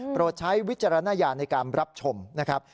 ใช้วิจารณญาณในการรับชมนะครับ